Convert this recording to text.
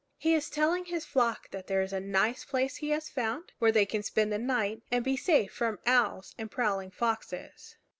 He is telling his flock that here is a nice place he has found, where they can spend the night and be safe from owls and prowling foxes.